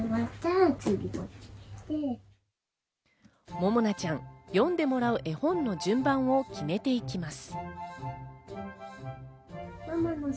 ももなちゃん、読んでもらう絵本の順番を決めていきます。